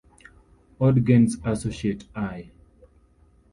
Ogden's associate I.